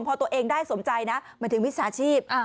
พอตัวเองได้สมใจนะหมายถึงวิชาชีพ